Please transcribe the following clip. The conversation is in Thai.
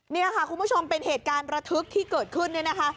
นี่ค่ะคุณผู้ชมเป็นเหตุการณ์ระทึกที่เกิดขึ้นเนี่ยนะคะ